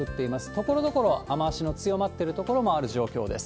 ところどころ雨足の強まっている所もある状況です。